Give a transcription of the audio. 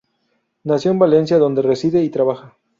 Nació en Valencia donde reside y trabaja.